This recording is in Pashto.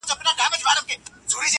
که هوس دئ، نو دي بس دئ.